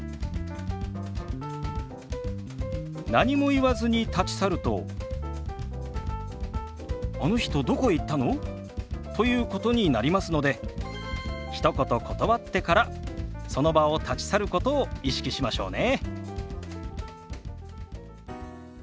何も言わずに立ち去ると「あの人どこへ行ったの？」ということになりますのでひと言断ってからその場を立ち去ることを意識しましょうね。